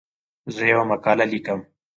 زه یوه مقاله لیکم.